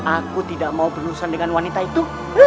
aku tidak mau berurusan dengan wanita itu